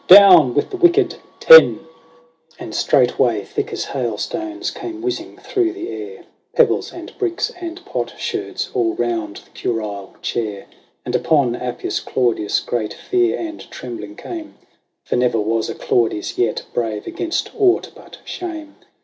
Down with the wicked Ten !" And straightway, thick as hailstones, came whizzing through the air Pebbles, and bricks, and potsherds, all round the curule chair : And upon Appius Claudius great fear and trembling came ; For never was a Claudius yet brave against aught but shame.